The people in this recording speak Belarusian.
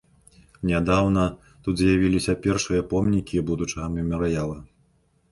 Нядаўна тут з'явіліся першыя помнікі будучага мемарыяла.